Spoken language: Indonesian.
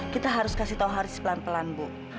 kita harus kasih tahu haris pelan pelan bu